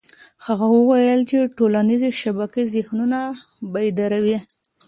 هغه وویل چې ټولنيزې شبکې ذهنونه بیداروي.